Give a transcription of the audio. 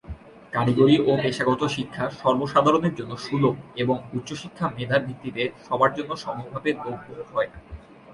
কারিগরি ও পেশাগত শিক্ষা সর্বসাধারণের জন্য সুলভ হবে এবং উচ্চশিক্ষা মেধার ভিত্তিতে সবার জন্য সমভাবে লভ্য হবে।